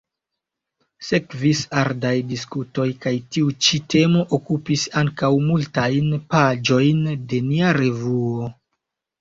Sekvis ardaj diskutoj kaj tiu ĉi temo okupis ankaŭ multajn paĝojn de nia revuo.